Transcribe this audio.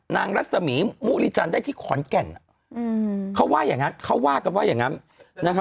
รัศมีมุริจันทร์ได้ที่ขอนแก่นเขาว่าอย่างนั้นเขาว่ากันว่าอย่างนั้นนะครับ